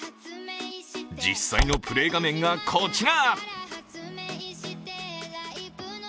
実際のプレー画面がこちら。